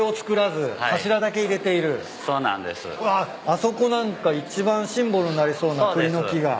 あそこなんか一番シンボルになりそうなクリの木が。